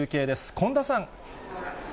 今田さん。